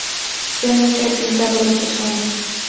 Yo nunca he pintado lo que sueño.